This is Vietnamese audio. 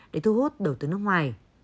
để thu hút đầu tư nước ngoài